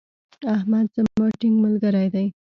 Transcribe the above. احمد زما ټينګ ملګری دی.